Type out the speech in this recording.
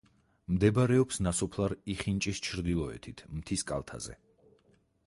მდებარეობს ნასოფლარ იხინჭის ჩრდილოეთით, მთის კალთაზე.